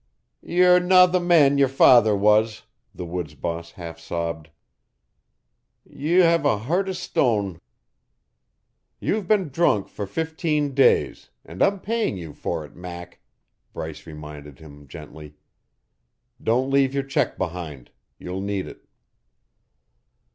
"Ye're nae the man yer faither was," the woods boss half sobbed. "Ye hae a heart o' stone." "You've been drunk for fifteen days and I'm paying you for it, Mac," Bryce reminded him gently. "Don't leave your check behind. You'll need it."